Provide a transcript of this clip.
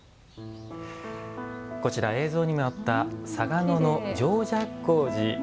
こちら、映像にもあった嵯峨野の常寂光寺。